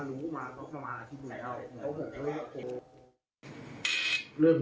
เจอกันเราละวันนี้เป็นตอนมา